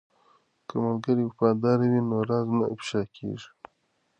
که ملګری وفادار وي نو راز نه افشا کیږي.